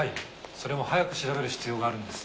それも早く調べる必要があるんです。